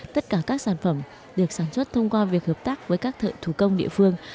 tất cả các sản phẩm được sản xuất thông qua việc hợp tác với các thợ thủ công địa phương